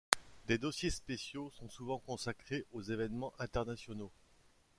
Des dossiers spéciaux sont souvent consacrés aux évènements internationaux.